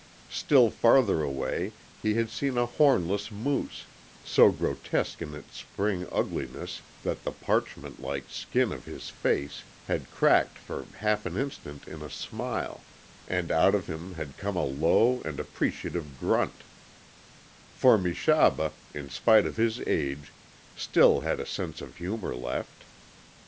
Still farther away he had seen a hornless moose, so grotesque in its spring ugliness that the parchment like skin of his face had cracked for half an instant in a smile, and out of him had come a low and appreciative grunt; for Meshaba, in spite of his age, still had a sense of humour left.